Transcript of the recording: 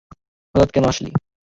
হঠাৎ কেন আসলি?